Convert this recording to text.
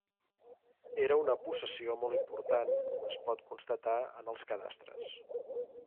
Era una possessió molt important com es pot constatar en els cadastres.